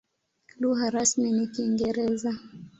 Lugha rasmi ni Kiingereza.